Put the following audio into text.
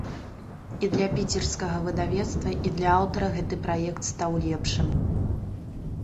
І для піцерскага выдавецтва, і для аўтара гэты праект стаў лепшым.